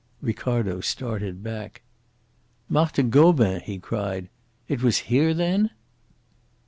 Ricardo started back. "Marthe Gobin!" he cried. "It was here, then?"